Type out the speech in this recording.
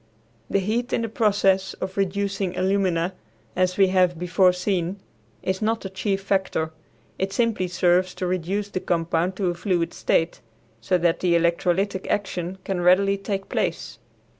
The heat in the process of reducing alumina, as we have before seen, is not the chief factor; it simply serves to reduce the compound to a fluid state so that the electrolytic action can readily take place.